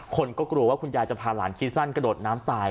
คนก็กลัวว่าคุณยายจะพาหลานคิดสั้นกระโดดน้ำตาย